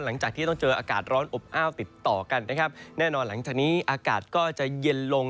หลังจากที่ต้องเจออากาศร้อนอบอ้าวติดต่อกันนะครับแน่นอนหลังจากนี้อากาศก็จะเย็นลง